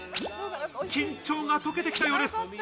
緊張が解けてきたようです。